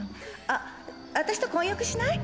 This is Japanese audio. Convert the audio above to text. あっ私と混浴しない？